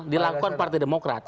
dilakukan partai demokrat